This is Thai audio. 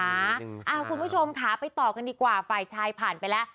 คุณผู้ชมค่ะไปต่อกันดีกว่าฝ่ายชายผ่านไปแล้ว